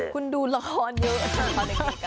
คุณดูละครเยอะ